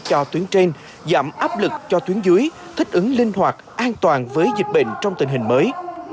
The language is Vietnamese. cho tuyến trên giảm áp lực cho tuyến dưới thích ứng linh hoạt an toàn với dịch bệnh trong tình hình mới